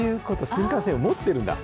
新幹線を持ってるんだ。